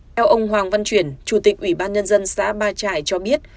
theo ông hoàng văn chuyển chủ tịch ủy ban nhân dân xã ba trại cho biết